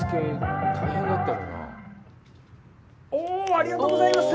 ありがとうございます！